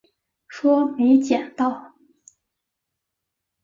说没捡到